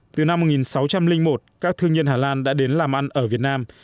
từ năm một nghìn sáu trăm linh một các thương nhân hà lan đã đến làm ăn ở việt nam